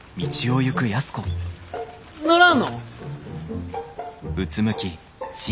乗らんのん？